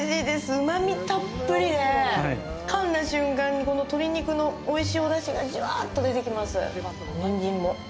うまみたっぷりで、かんだ瞬間にこの鶏肉のおいしいお出汁がジュワっと出てきます。